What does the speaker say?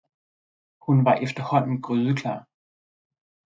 Hun var efterhånden grydeklar.